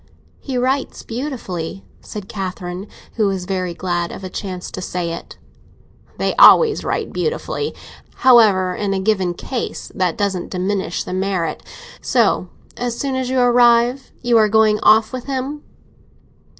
"He writes beautifully," said Catherine, who was very glad of a chance to say it. "They always write beautifully. However, in a given case that doesn't diminish the merit. So, as soon as you arrive, you are going off with him?"